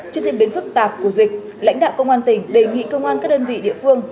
trước diễn biến phức tạp của dịch lãnh đạo công an tỉnh đề nghị công an các đơn vị địa phương